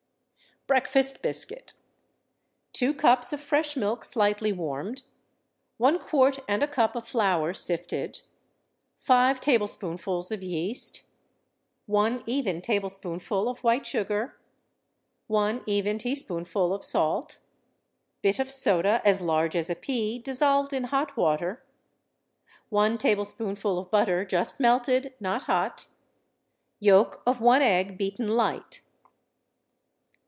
Breakfast Biscuit. Two cups of fresh milk slightly warmed. One quart and a cup of flour sifted. Five tablespoonfuls of yeast. One even tablespoonful of white sugar. One even teaspoonful of salt. Bit of soda as large as a pea, dissolved in hot water. One tablespoonful of butter, just melted, not hot. Yolk of one egg beaten light.